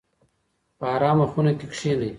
په ارامه خونه کې کښینئ.